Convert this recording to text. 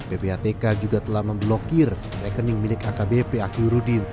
ppatk juga telah memblokir rekening milik akbp akhirudin